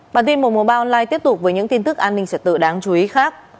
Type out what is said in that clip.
bản tin mùa mùa ba online tiếp tục với những tin tức an ninh trật tự đáng chú ý khác